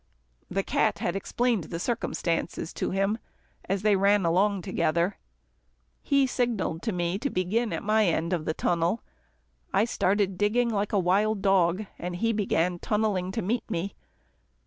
The cat had explained the circumstances to him, as they ran along together. He signalled to me to begin at my end of the tunnel. I started digging like a wild dog, and he began tunnelling to meet me.